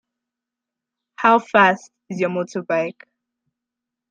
How fast is your motorbike?